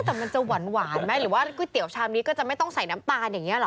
แต่มันจะหวานไหมหรือว่าก๋วยเตี๋ยวชามนี้ก็จะไม่ต้องใส่น้ำตาลอย่างนี้หรอ